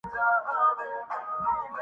نہ کر نگہ سے تغافل کو التفات آمیز